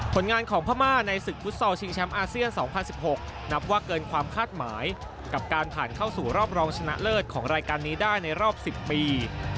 ผลงานของพม่าในศึกฟุตซอลชิงช้ำอาเซีย๒๐๑๖